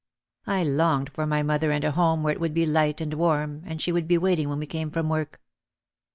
I longed for my mother and a home where it would be light and warm and she would be waiting when we came from work.